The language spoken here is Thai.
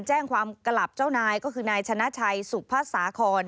แจ้งความกลับเจ้านายก็คือนายชนะชัยสุภาษาคอน